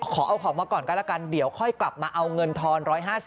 ขอเอาของมาก่อนก็แล้วกันเดี๋ยวค่อยกลับมาเอาเงินทอน๑๕๐